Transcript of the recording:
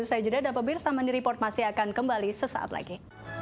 saya jodha dapabir sama nireport masih akan kembali sesaat lagi